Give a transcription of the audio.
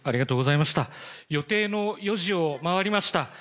予定の４時を回りました。